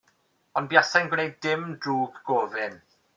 Ond buasai'n gwneud dim drwg gofyn.